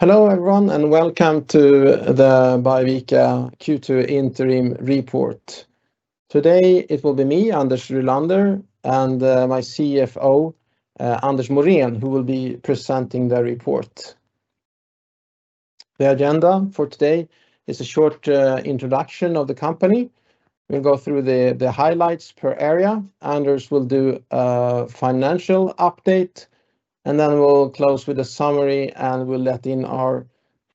Hello everyone and welcome to the Biovica Q2 Interim Report. Today it will be me, Anders Rylander, and my CFO, Anders Morén, who will be presenting the report. The agenda for today is a short introduction of the company. We'll go through the highlights per area. Anders will do a financial update, and then we'll close with a summary, and we'll let in our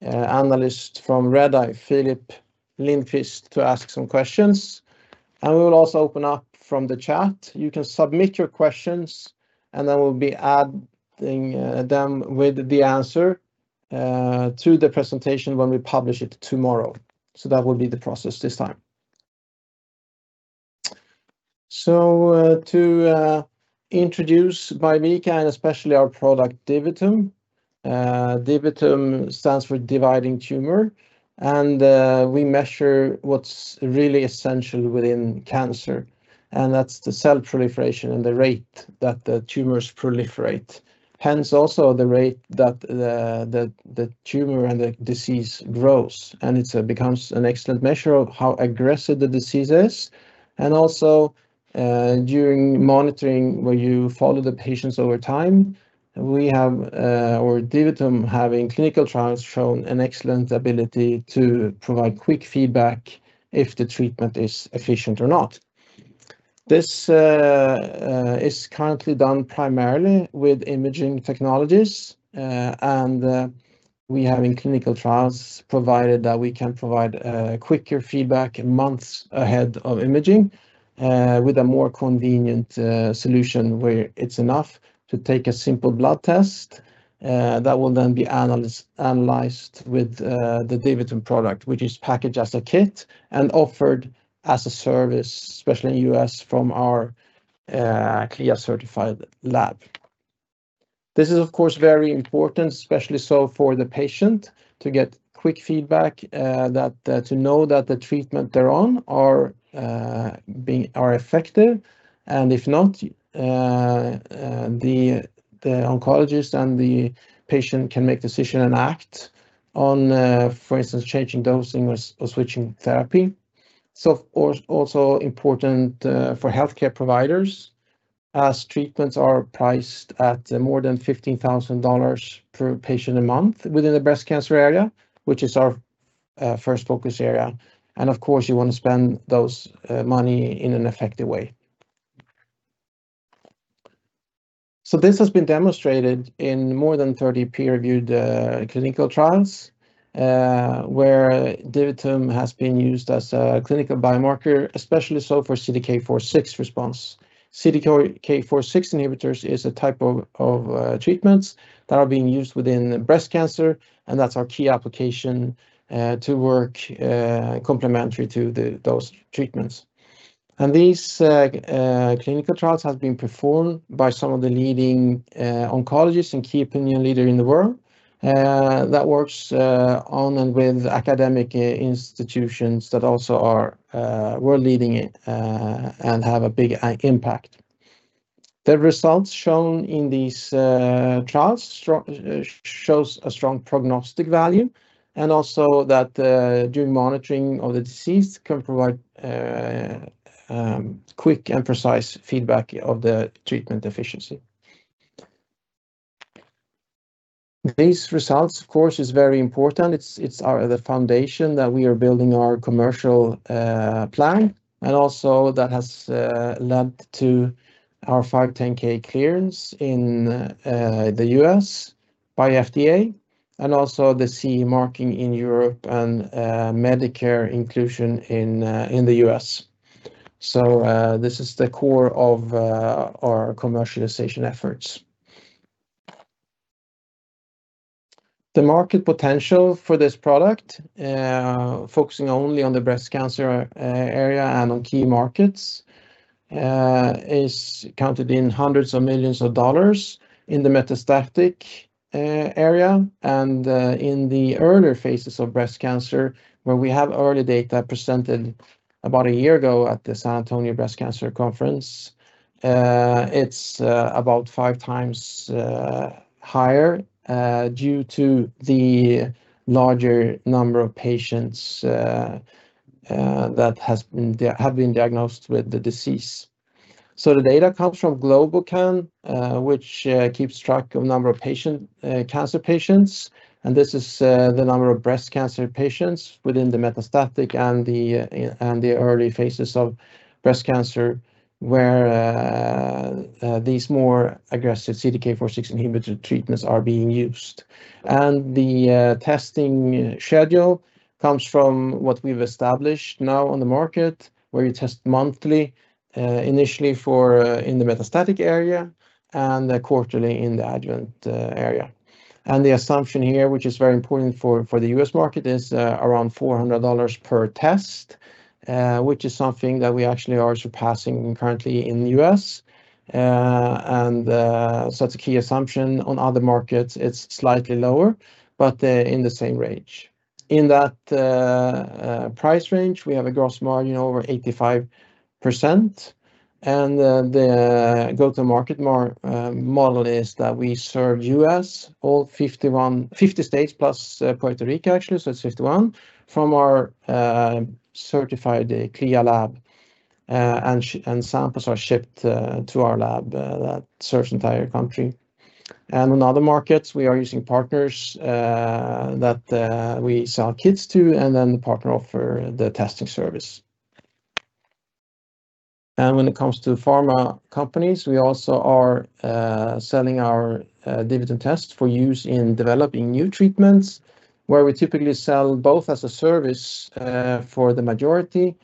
analyst from Redeye, Filip Lindkvist, to ask some questions, and we will also open up from the chat. You can submit your questions, and then we'll be adding them with the answer to the presentation when we publish it tomorrow, so that will be the process this time, so to introduce Biovica, and especially our product DiviTum. DiviTum stands for dividing tumor, and we measure what's really essential within cancer, and that's the cell proliferation and the rate that the tumors proliferate. Hence also the rate that the tumor and the disease grows, and it becomes an excellent measure of how aggressive the disease is, and also during monitoring, where you follow the patients over time, we have, or DiviTum having clinical trials shown an excellent ability to provide quick feedback if the treatment is efficient or not. This is currently done primarily with imaging technologies, and we have clinical trials provided that we can provide quicker feedback months ahead of imaging with a more convenient solution where it's enough to take a simple blood test that will then be analyzed with the DiviTum product, which is packaged as a kit and offered as a service, especially in the U.S., from our CLIA-certified lab. This is of course very important, especially so for the patient to get quick feedback, to know that the treatment they're on are effective, and if not, the oncologist and the patient can make a decision and act on, for instance, changing dosing or switching therapy, so also important for healthcare providers as treatments are priced at more than $15,000 per patient a month within the breast cancer area, which is our first focus area, and of course you want to spend those money in an effective way, so this has been demonstrated in more than 30 peer-reviewed clinical trials where DiviTum has been used as a clinical biomarker, especially so for CDK4/6 response. CDK4/6 inhibitors is a type of treatment that are being used within breast cancer, and that's our key application to work complementary to those treatments. These clinical trials have been performed by some of the leading oncologists and key opinion leaders in the world that works on and with academic institutions that also are world-leading and have a big impact. The results shown in these trials show a strong prognostic value and also that during monitoring of the disease can provide quick and precise feedback of the treatment efficiency. These results, of course, are very important. It's the foundation that we are building our commercial plan and also that has led to our 510(k) clearance in the U.S. by FDA and also the CE marking in Europe and Medicare inclusion in the U.S. This is the core of our commercialization efforts. The market potential for this product, focusing only on the breast cancer area and on key markets, is counted in hundreds of millions of dollars in the metastatic area and in the earlier phases of breast cancer where we have early data presented about a year ago at the San Antonio Breast Cancer Symposium. It's about five times higher due to the larger number of patients that have been diagnosed with the disease. So the data comes from GLOBOCAN, which keeps track of the number of cancer patients, and this is the number of breast cancer patients within the metastatic and the early phases of breast cancer where these more aggressive CDK4/6 inhibitor treatments are being used. And the testing schedule comes from what we've established now on the market where you test monthly initially in the metastatic area and quarterly in the adjuvant area. The assumption here, which is very important for the U.S. market, is around $400 per test, which is something that we actually are surpassing currently in the U.S. So it's a key assumption. On other markets, it's slightly lower, but in the same range. In that price range, we have a gross margin over 85%, and the go-to-market model is that we serve U.S., all 50 states plus Puerto Rico, actually, so it's 51, from our certified CLIA lab, and samples are shipped to our lab that serves the entire country. On other markets, we are using partners that we sell kits to, and then the partner offers the testing service. When it comes to pharma companies, we also are selling our DiviTum test for use in developing new treatments where we typically sell both as a service for the majority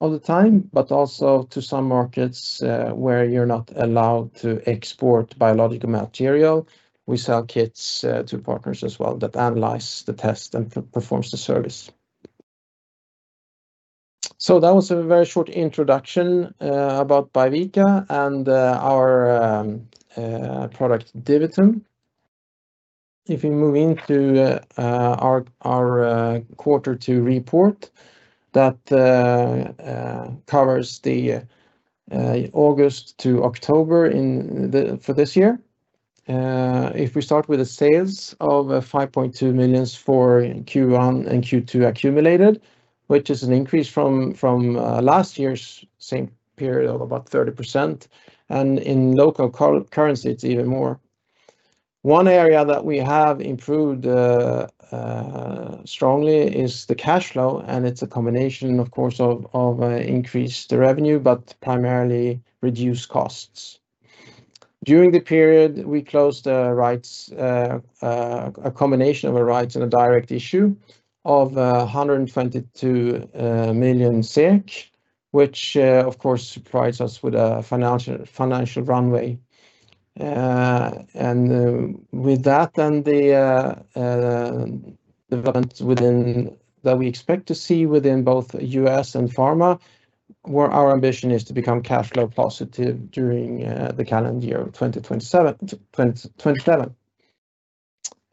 of the time, but also to some markets where you're not allowed to export biological material. We sell kits to partners as well that analyze the test and perform the service. That was a very short introduction about Biovica and our product DiviTum. If we move into our quarter two report that covers the August to October for this year, if we start with the sales of 5.2 million for Q1 and Q2 accumulated, which is an increase from last year's same period of about 30%, and in local currency, it's even more. One area that we have improved strongly is the cash flow, and it's a combination, of course, of increased revenue but primarily reduced costs. During the period, we closed a combination of a rights issue and a directed issue of 122 million, which of course provides us with a financial runway, and with that, then the developments that we expect to see within both U.S. and Pharma, where our ambition is to become cash flow positive during the calendar year of 2027.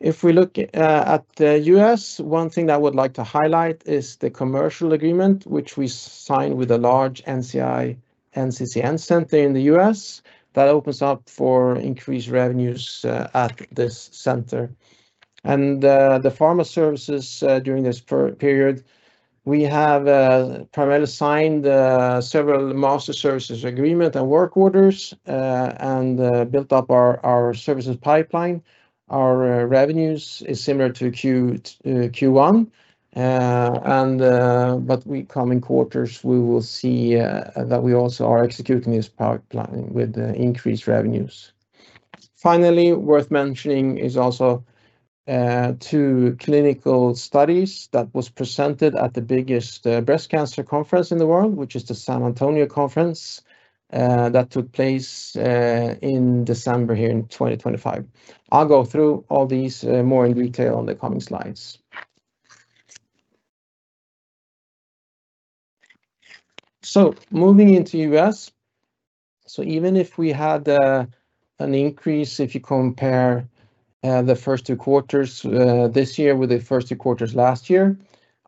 If we look at the U.S., one thing that I would like to highlight is the commercial agreement, which we signed with a large NCI/NCCN center in the U.S. that opens up for increased revenues at this center, and the Pharma Services during this period, we have primarily signed several master services agreements and work orders and built up our services pipeline. Our revenues are similar to Q1, but coming quarters, we will see that we also are executing this pipeline with increased revenues. Finally, worth mentioning is also two clinical studies that were presented at the biggest breast cancer conference in the world, which is the San Antonio Breast Cancer Symposium that took place in December here in 2025. I'll go through all these more in detail on the coming slides. So moving into the U.S., so even if we had an increase, if you compare the first two quarters this year with the first two quarters last year,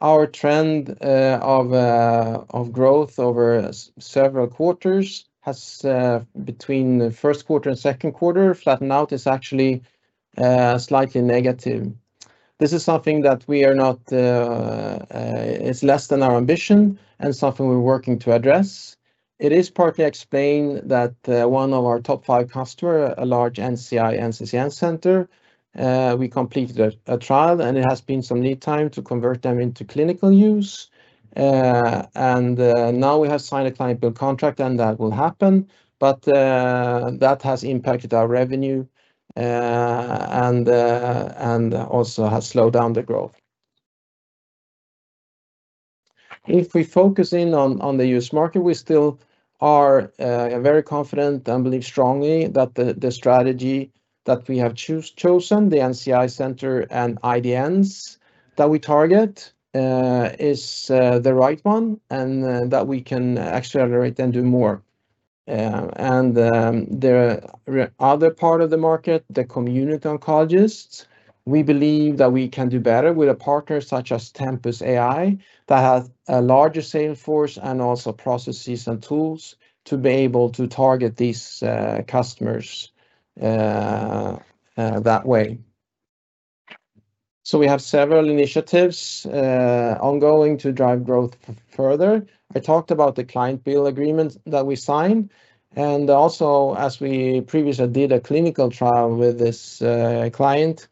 our trend of growth over several quarters has between the first quarter and second quarter flattened out is actually slightly negative. This is something that we are not, it's less than our ambition and something we're working to address. It is partly explained that one of our top five customers, a large NCI/NCCN center, we completed a trial and it has been some lead time to convert them into clinical use. And now we have signed a client bill contract and that will happen, but that has impacted our revenue and also has slowed down the growth. If we focus in on the U.S. market, we still are very confident and believe strongly that the strategy that we have chosen, the NCI center and IDNs that we target, is the right one and that we can accelerate and do more. And the other part of the market, the community oncologists, we believe that we can do better with a partner such as Tempus AI that has a larger sales force and also processes and tools to be able to target these customers that way. So we have several initiatives ongoing to drive growth further. I talked about the client bill agreement that we signed, and also as we previously did a clinical trial with this client,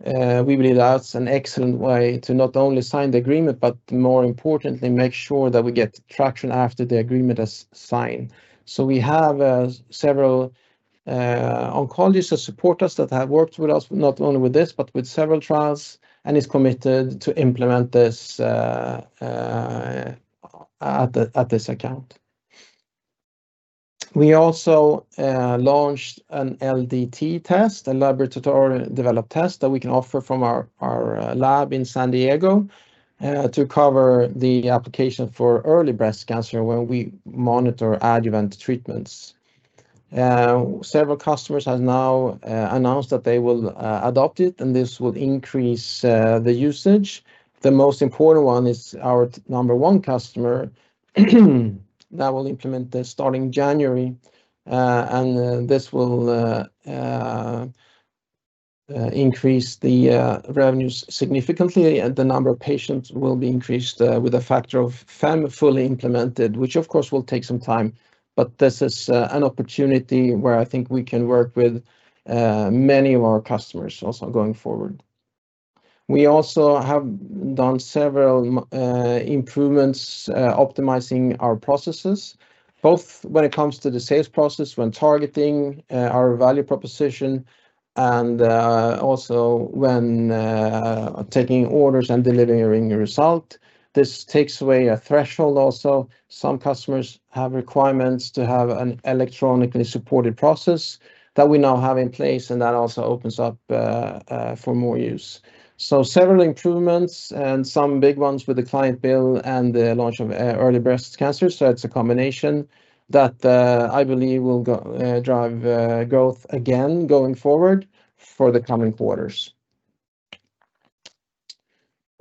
we believe that's an excellent way to not only sign the agreement, but more importantly, make sure that we get traction after the agreement is signed. So we have several oncologists that support us that have worked with us, not only with this, but with several trials, and it's committed to implement this at this account. We also launched an LDT test, a laboratory-developed test that we can offer from our lab in San Diego to cover the application for early breast cancer when we monitor adjuvant treatments. Several customers have now announced that they will adopt it, and this will increase the usage. The most important one is our number one customer that will implement this starting January, and this will increase the revenues significantly. The number of patients will be increased with a factor of fully implemented, which of course will take some time, but this is an opportunity where I think we can work with many of our customers also going forward. We also have done several improvements optimizing our processes, both when it comes to the sales process, when targeting our value proposition, and also when taking orders and delivering a result. This takes away a threshold also. Some customers have requirements to have an electronically supported process that we now have in place, and that also opens up for more use. So several improvements and some big ones with the client bill and the launch of early breast cancer. So it's a combination that I believe will drive growth again going forward for the coming quarters.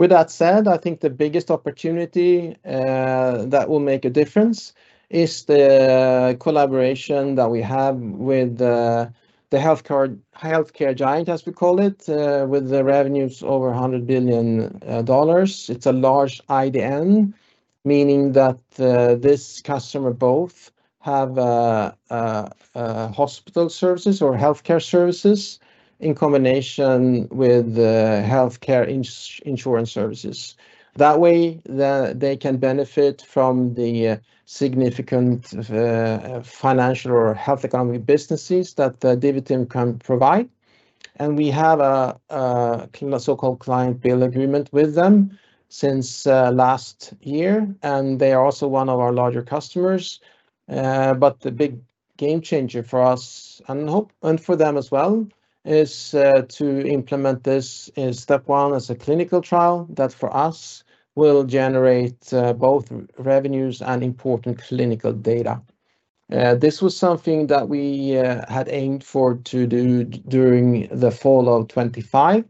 With that said, I think the biggest opportunity that will make a difference is the collaboration that we have with the healthcare giant, as we call it, with the revenues over $100 billion. It's a large IDN, meaning that this customer both have hospital services or healthcare services in combination with healthcare insurance services. That way, they can benefit from the significant financial or health economy businesses that DiviTum can provide, and we have a so-called client bill agreement with them since last year, and they are also one of our larger customers, but the big game changer for us, and I hope for them as well, is to implement this as step one as a clinical trial that for us will generate both revenues and important clinical data. This was something that we had aimed for to do during the fall of 2025.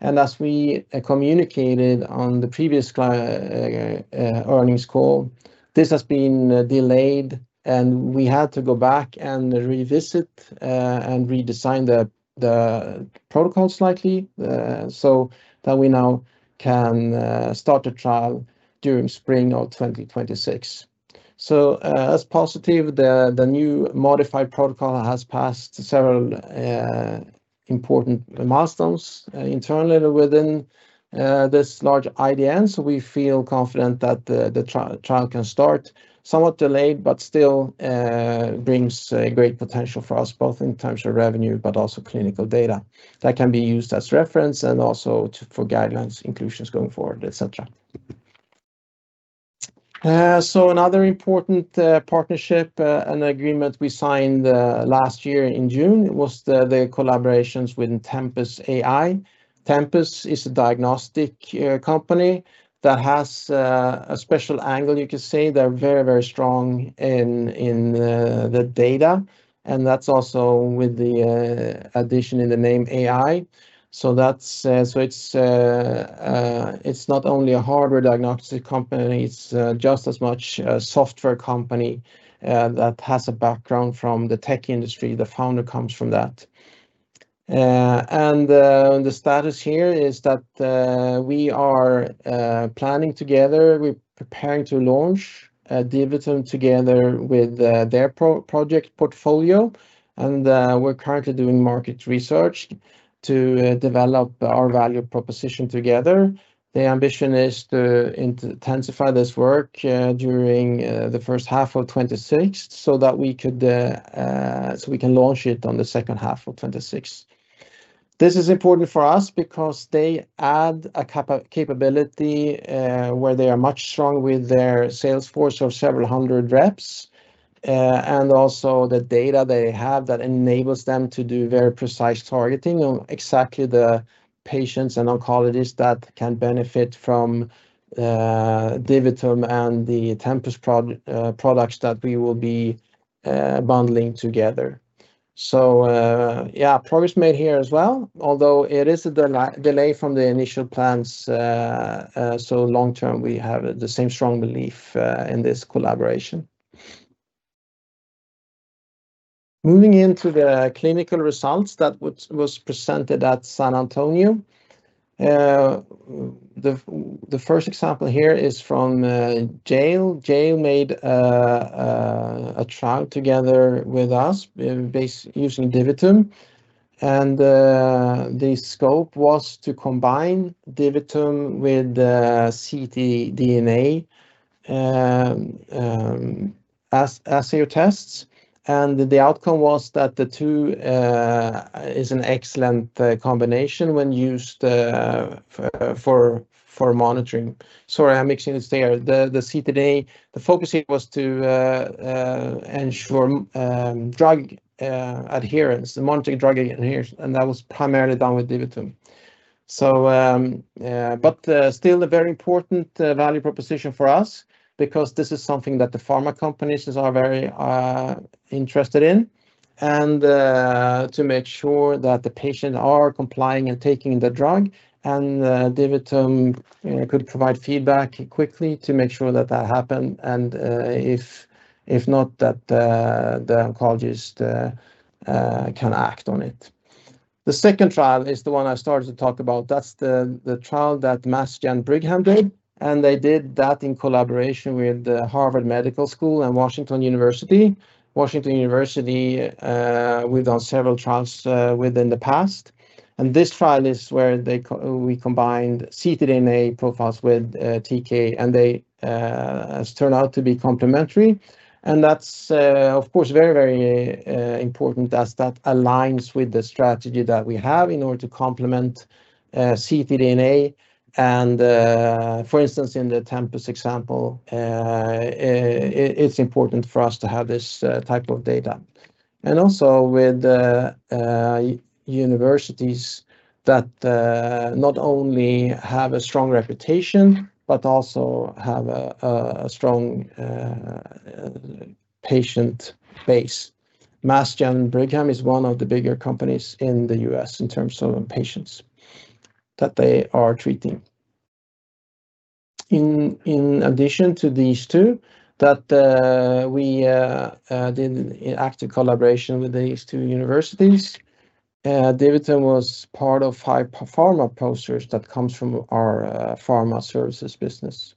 And as we communicated on the previous earnings call, this has been delayed, and we had to go back and revisit and redesign the protocol slightly so that we now can start the trial during spring of 2026. So as positive, the new modified protocol has passed several important milestones internally within this large IDN. So we feel confident that the trial can start somewhat delayed, but still brings great potential for us both in terms of revenue, but also clinical data that can be used as reference and also for guidelines, inclusions going forward, etc. So another important partnership and agreement we signed last year in June was the collaborations with Tempus AI. Tempus is a diagnostic company that has a special angle, you could say. They're very, very strong in the data, and that's also with the addition in the name AI. It's not only a hardware diagnostic company, it's just as much a software company that has a background from the tech industry. The founder comes from that. The status here is that we are planning together. We're preparing to launch DiviTum together with their project portfolio, and we're currently doing market research to develop our value proposition together. The ambition is to intensify this work during the first half of 2026 so that we can launch it on the second half of 2026. This is important for us because they add a capability where they are much stronger with their sales force of several hundred reps, and also the data they have that enables them to do very precise targeting on exactly the patients and oncologists that can benefit from DiviTum and the Tempus products that we will be bundling together. So yeah, progress made here as well, although it is a delay from the initial plans. So long term, we have the same strong belief in this collaboration. Moving into the clinical results that were presented at San Antonio, the first example here is from Yale. Yale made a trial together with us using DiviTum, and the scope was to combine DiviTum with ctDNA as tests. And the outcome was that the two is an excellent combination when used for monitoring. Sorry, I'm mixing it there. The focus here was to ensure drug adherence, monitoring drug adherence, and that was primarily done with DiviTum. But still, a very important value proposition for us because this is something that the pharma companies are very interested in, and to make sure that the patients are complying and taking the drug, and DiviTum could provide feedback quickly to make sure that that happened. And if not, that the oncologist can act on it. The second trial is the one I started to talk about. That's the trial that Mass General Brigham did, and they did that in collaboration with Harvard Medical School and Washington University. Washington University, we've done several trials within the past. And this trial is where we combined ctDNA profiles with TKa, and they turned out to be complementary. And that's, of course, very, very important as that aligns with the strategy that we have in order to complement ctDNA. For instance, in the Tempus example, it's important for us to have this type of data. Also with universities that not only have a strong reputation, but also have a strong patient base. Mass General Brigham is one of the bigger companies in the U.S. in terms of patients that they are treating. In addition to these two, that we did an active collaboration with these two universities, DiviTum was part of five pharma posters that come from our Pharma Services business.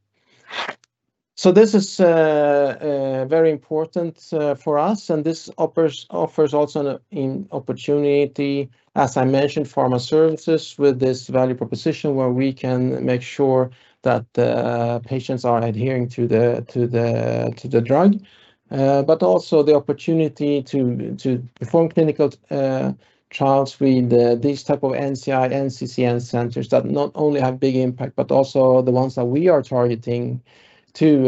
So this is very important for us, and this offers also an opportunity, as I mentioned, Pharma Services with this value proposition where we can make sure that patients are adhering to the drug, but also the opportunity to perform clinical trials with these types of NCI/NCCN centers that not only have a big impact, but also the ones that we are targeting with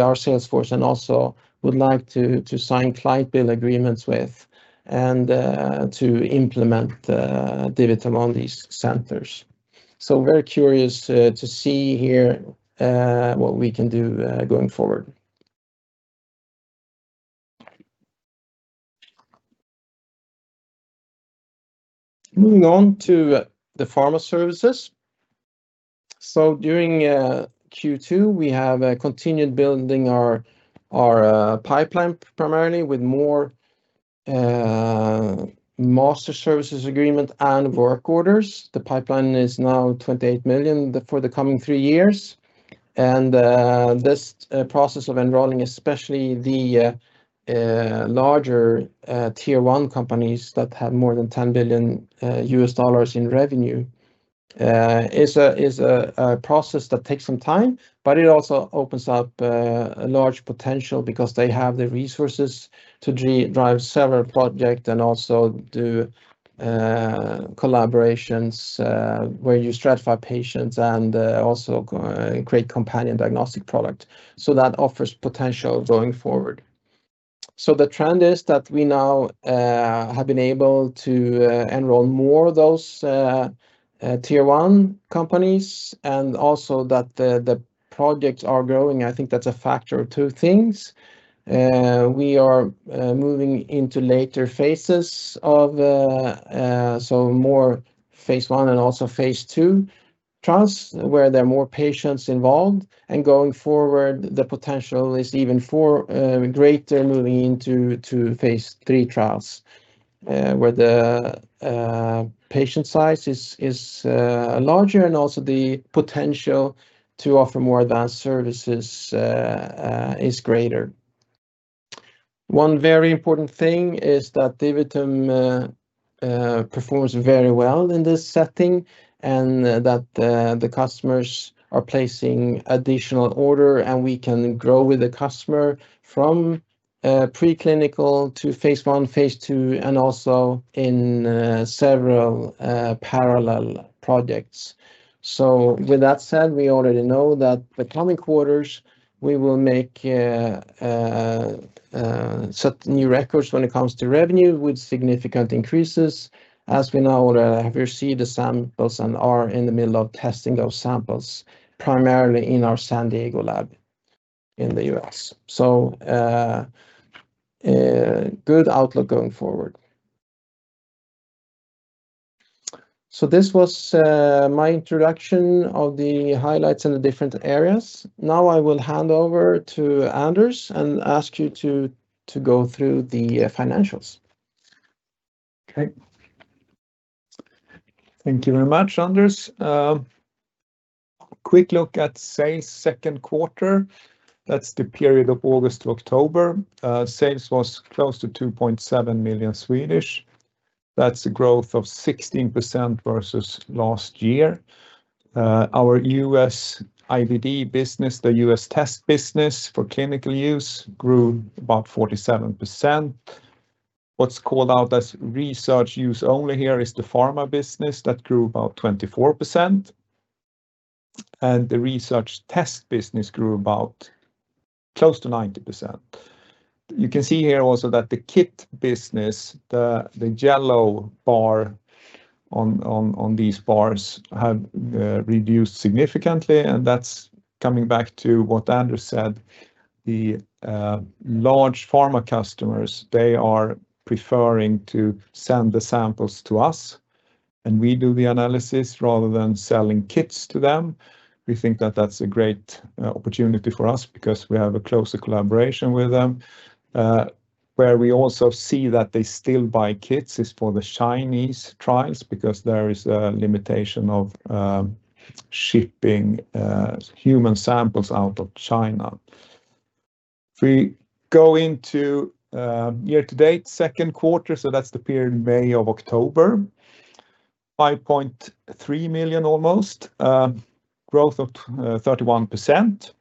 our sales force and also would like to sign client bill agreements with and to implement DiviTum on these centers. So very curious to see here what we can do going forward. Moving on to the Pharma Services. So during Q2, we have continued building our pipeline primarily with more master services agreements and work orders. The pipeline is now 28 million for the coming three years. This process of enrolling, especially the larger Tier 1 companies that have more than $10 billion in revenue, is a process that takes some time, but it also opens up a large potential because they have the resources to drive several projects and also do collaborations where you stratify patients and also create companion diagnostic products. That offers potential going forward. The trend is that we now have been able to enroll more of those Tier 1 companies and also that the projects are growing. I think that's a factor of two things. We are moving into later phases of so more phase I and also phase II trials where there are more patients involved. Going forward, the potential is even greater moving into phase III trials where the patient size is larger and also the potential to offer more advanced services is greater. One very important thing is that DiviTum performs very well in this setting and that the customers are placing additional orders, and we can grow with the customer from preclinical to phase I, phase II, and also in several parallel projects. So with that said, we already know that the coming quarters, we will set new records when it comes to revenue with significant increases as we now have received the samples and are in the middle of testing those samples primarily in our San Diego lab in the U.S. So, good outlook going forward. So this was my introduction of the highlights in the different areas. Now I will hand over to Anders and ask you to go through the financials. Okay. Thank you very much, Anders. Quick look at sales second quarter. That's the period of August to October. Sales was close to 2.7 million. That's a growth of 16% versus last year. Our U.S. IVD business, the U.S. Test business for clinical use, grew about 47%. What's called out as Research Use Only here is the pharma business that grew about 24%. And the research test business grew about close to 90%. You can see here also that the kit business, the yellow bar on these bars have reduced significantly. And that's coming back to what Anders said. The large pharma customers, they are preferring to send the samples to us, and we do the analysis rather than selling kits to them. We think that that's a great opportunity for us because we have a closer collaboration with them. Where we also see that they still buy kits is for the Chinese trials because there is a limitation of shipping human samples out of China. We go into year-to-date second quarter, so that's the period May of October, almost 5.3 million, growth of 31%.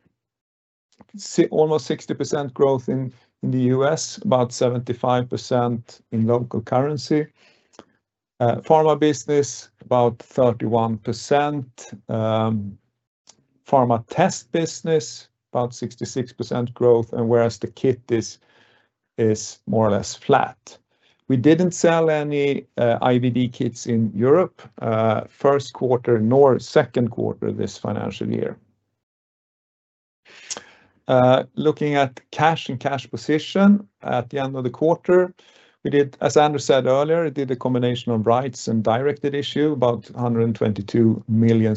Almost 60% growth in the US, about 75% in local currency. Pharma business, about 31%. Pharma Test business, about 66% growth, and whereas the kit is more or less flat. We didn't sell any IVD kits in Europe first quarter nor second quarter this financial year. Looking at cash and cash position at the end of the quarter, as Anders said earlier, it did a combination of rights and directed issue, about 122 million.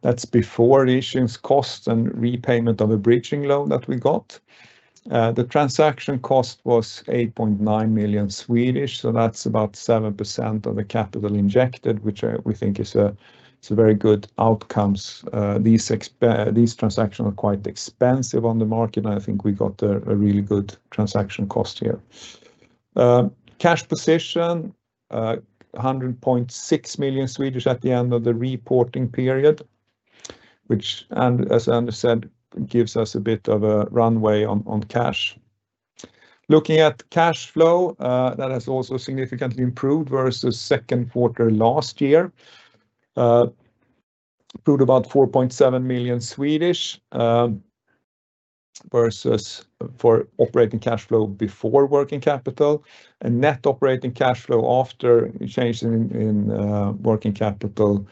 That's before the issuance cost and repayment of a bridging loan that we got. The transaction cost was 8.9 million, so that's about 7% of the capital injected, which we think is a very good outcome. These transactions are quite expensive on the market, and I think we got a really good transaction cost here. Cash position, 100.6 million at the end of the reporting period, which, as Anders said, gives us a bit of a runway on cash. Looking at cash flow, that has also significantly improved versus second quarter last year. Improved about SEK 4.7 million versus for operating cash flow before working capital. And net operating cash flow after changing in working capital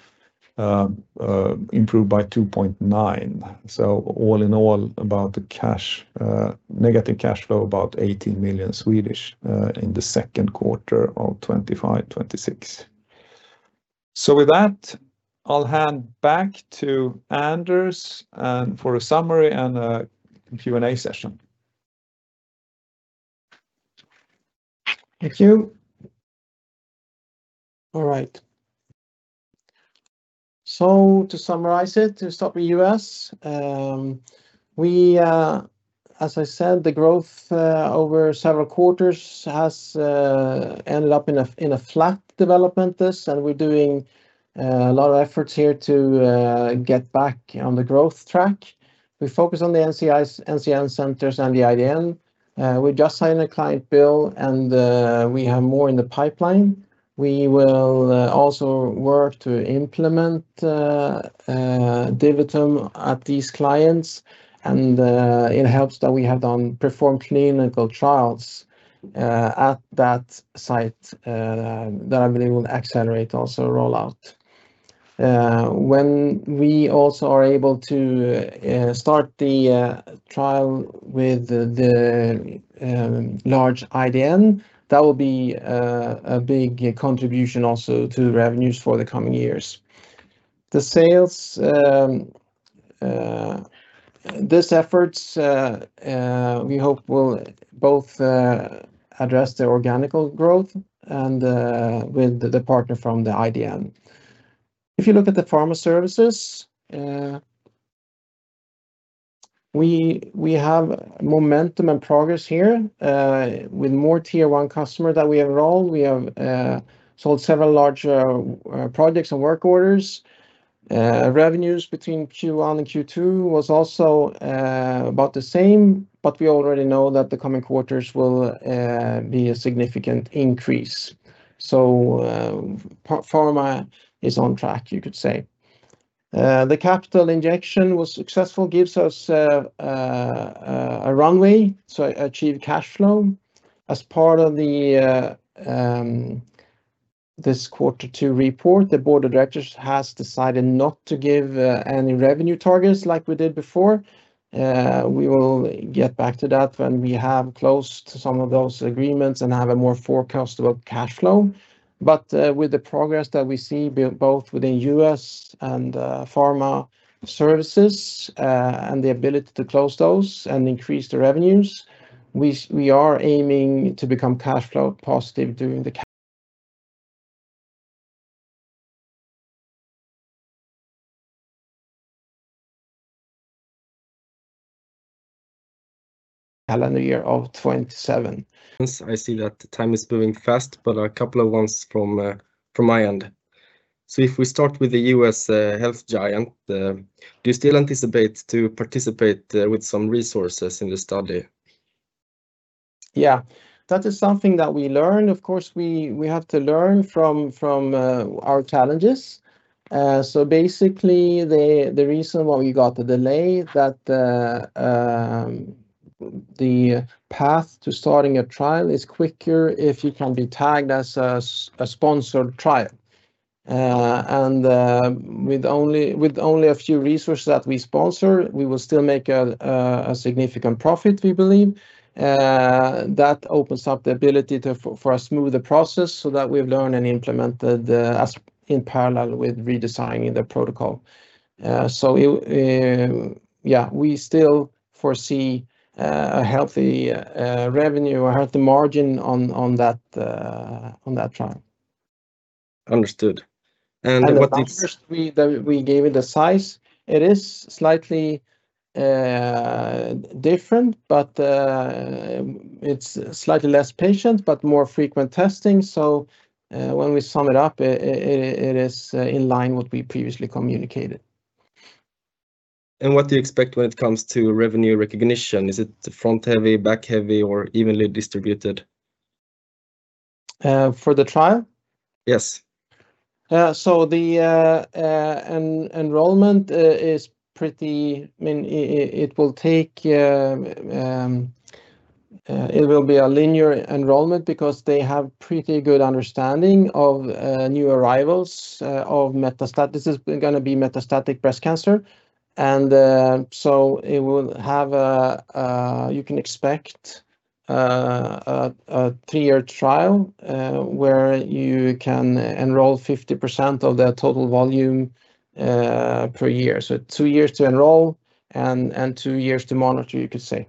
improved by 2.9. So all in all, about the negative cash flow, about 18 million in the second quarter of 2025, 2026. So with that, I'll hand back to Anders for a summary and a Q&A session. Thank you. All right. So to summarize it, to start with the U.S., as I said, the growth over several quarters has ended up in a flat development this, and we're doing a lot of efforts here to get back on the growth track. We focus on the NCI and NCCN centers and the IDN. We just signed a client bill, and we have more in the pipeline. We will also work to implement DiviTum at these clients, and it helps that we have performed clinical trials at that site that I believe will accelerate also rollout. When we also are able to start the trial with the large IDN, that will be a big contribution also to revenues for the coming years. This effort, we hope, will both address the organic growth and with the partner from the IDN. If you look at the Pharma Services, we have momentum and progress here with more Tier 1 customers that we have enrolled. We have sold several larger projects and work orders. Revenues between Q1 and Q2 was also about the same, but we already know that the coming quarters will be a significant increase. So Pharma is on track, you could say. The capital injection was successful, gives us a runway to achieve cash flow. As part of this quarter two report, the board of directors has decided not to give any revenue targets like we did before. We will get back to that when we have closed some of those agreements and have a more forecast of cash flow. But with the progress that we see both within U.S. and Pharma Services and the ability to close those and increase the revenues, we are aiming to become cash flow positive during the calendar year of 2027. I see that time is moving fast, but a couple of ones from my end. So if we start with the U.S. health giant, do you still anticipate to participate with some resources in the study? Yeah, that is something that we learn. Of course, we have to learn from our challenges. So basically, the reason why we got the delay is that the path to starting a trial is quicker if you can be tagged as a sponsored trial. And with only a few resources that we sponsor, we will still make a significant profit, we believe. That opens up the ability for a smoother process so that we've learned and implemented in parallel with redesigning the protocol. So yeah, we still foresee a healthy revenue or healthy margin on that trial. Understood. And what did you? And first, we gave it a size. It is slightly different, but it's slightly less patients, but more frequent testing. So when we sum it up, it is in line with what we previously communicated. And what do you expect when it comes to revenue recognition? Is it front-heavy, back-heavy, or evenly distributed? For the trial? Yes. The enrollment is pretty linear. I mean, it will be a linear enrollment because they have pretty good understanding of new arrivals of metastatic breast cancer. This is going to be metastatic breast cancer. You can expect a three-year trial where you can enroll 50% of the total volume per year. Two years to enroll and two years to monitor, you could say.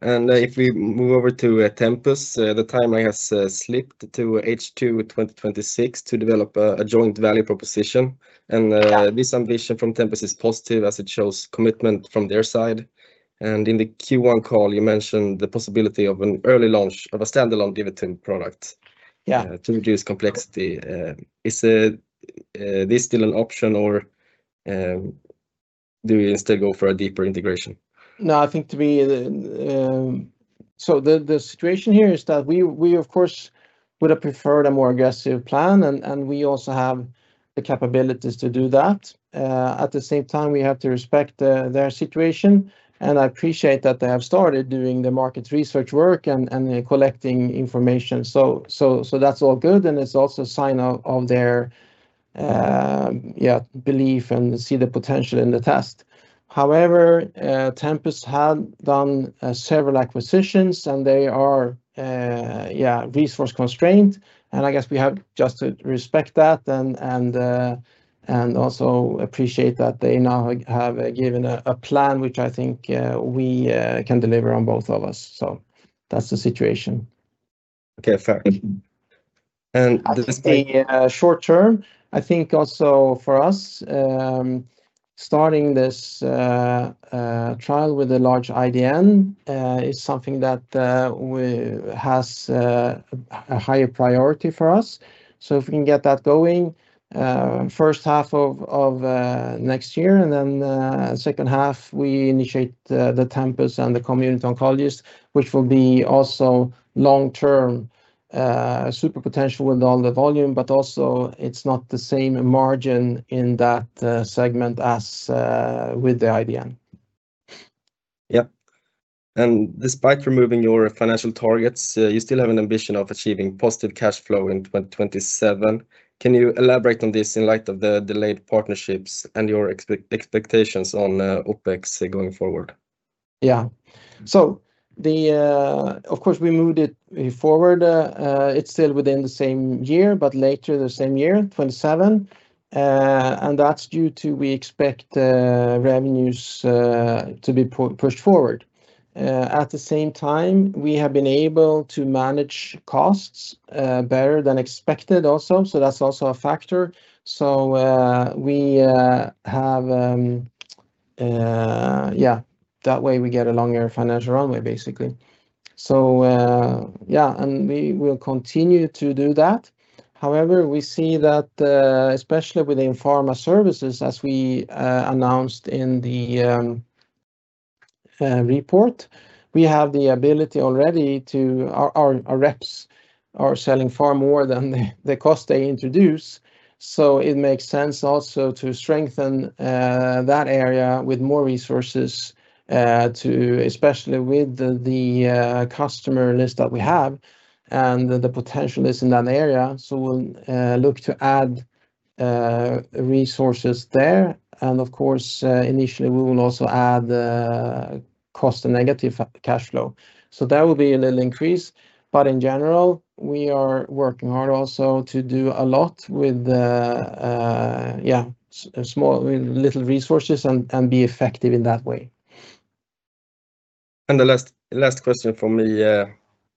Okay. If we move over to Tempus, the timeline has slipped to H2 2026 to develop a joint value proposition. This ambition from Tempus is positive as it shows commitment from their side. In the Q1 call, you mentioned the possibility of an early launch of a standalone DiviTum product to reduce complexity. Is this still an option, or do you instead go for a deeper integration? No, I think—so the situation here is that we, of course, would have preferred a more aggressive plan, and we also have the capabilities to do that. At the same time, we have to respect their situation, and I appreciate that they have started doing the market research work and collecting information. So that's all good, and it's also a sign of their belief and see the potential in the test. However, Tempus had done several acquisitions, and they are resource-constrained, and I guess we have just to respect that and also appreciate that they now have given a plan, which I think we can deliver on both of us. So that's the situation. Okay, fair. And that's the short term. I think also for us, starting this trial with a large IDN is something that has a higher priority for us. So if we can get that going, first half of next year and then second half, we initiate the Tempus and the community oncologists, which will be also long-term super potential with all the volume, but also it's not the same margin in that segment as with the IDN. Yep. And despite removing your financial targets, you still have an ambition of achieving positive cash flow in 2027. Can you elaborate on this in light of the delayed partnerships and your expectations on OpEx going forward? Yeah. So of course, we moved it forward. It's still within the same year, but later the same year, 2027. And that's due to we expect revenues to be pushed forward. At the same time, we have been able to manage costs better than expected also. So that's also a factor. So we have, yeah, that way we get a longer financial runway, basically. So yeah, and we will continue to do that. However, we see that especially within Pharma Services, as we announced in the report, we have the ability already to our reps are selling far more than the cost they introduce. So it makes sense also to strengthen that area with more resources to, especially with the customer list that we have and the potential list in that area. So we'll look to add resources there. And of course, initially, we will also add cost and negative cash flow. So that will be a little increase. But in general, we are working hard also to do a lot with, yeah, small little resources and be effective in that way. And the last question for me,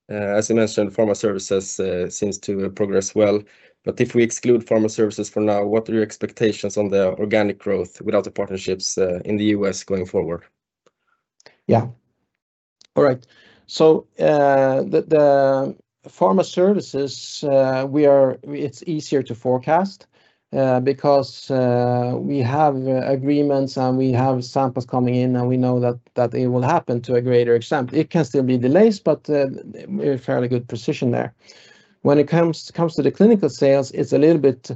as you mentioned, Pharma Services seems to progress well. But if we exclude Pharma Services for now, what are your expectations on the organic growth without the partnerships in the U.S. going forward? Yeah. All right. So the Pharma Services, it's easier to forecast because we have agreements and we have samples coming in and we know that it will happen to a greater extent. It can still be delays, but we have fairly good position there. When it comes to the clinical sales, it's a little bit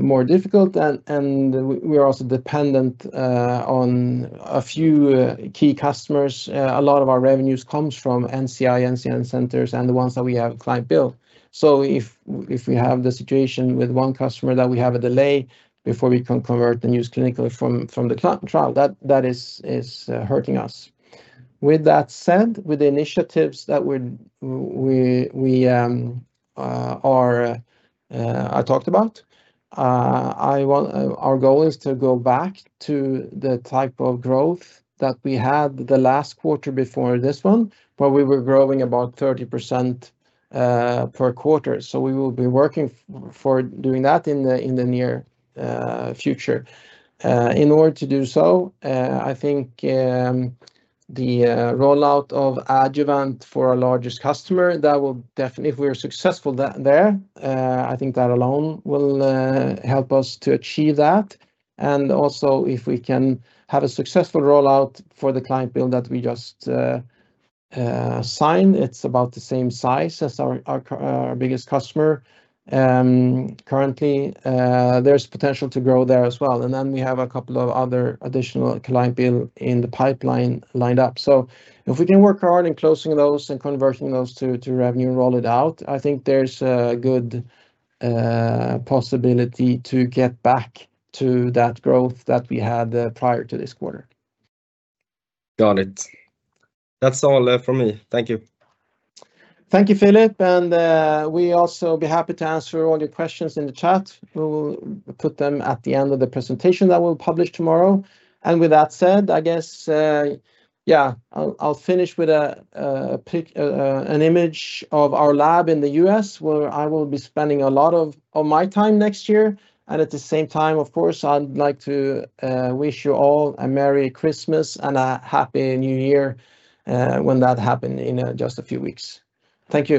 more difficult and we are also dependent on a few key customers. A lot of our revenues comes from NCI/NCCN centers, and the ones that we have client bill. So if we have the situation with one customer that we have a delay before we can convert and use client bill from the trial, that is hurting us. With that said, with the initiatives that we talked about, our goal is to go back to the type of growth that we had the last quarter before this one, where we were growing about 30% per quarter. So we will be working for doing that in the near future. In order to do so, I think the rollout of adjuvant for our largest customer, that will definitely, if we are successful there, I think that alone will help us to achieve that. And also if we can have a successful rollout for the client bill that we just signed, it's about the same size as our biggest customer. Currently, there's potential to grow there as well. And then we have a couple of other additional client bill in the pipeline lined up. So if we can work hard in closing those and converting those to revenue and roll it out, I think there's a good possibility to get back to that growth that we had prior to this quarter. Got it. That's all from me. Thank you. Thank you, Filip. And we also be happy to answer all your questions in the chat. We'll put them at the end of the presentation that we'll publish tomorrow. And with that said, I guess, yeah, I'll finish with an image of our lab in the U.S., where I will be spending a lot of my time next year. And at the same time, of course, I'd like to wish you all a Merry Christmas and a Happy New Year when that happened in just a few weeks. Thank you.